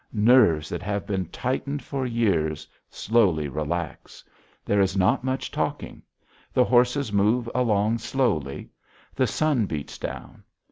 Nerves that have been tightened for years slowly relax. There is not much talking. The horses move along slowly. The sun beats down.